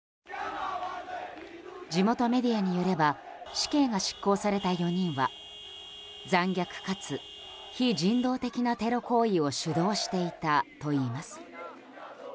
地元メディアによれば死刑が執行された４人は残虐かつ非人道的なテロ行為を主導していたといいます。